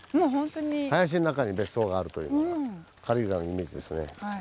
林の中に別荘があるというのが軽井沢のイメージですね。